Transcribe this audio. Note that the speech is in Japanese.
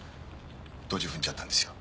ドジ踏んじゃったんですよ